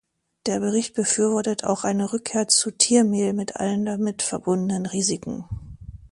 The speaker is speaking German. Der Bericht befürwortet auch eine Rückkehr zu Tiermehl mit allen damit verbundenen Risiken.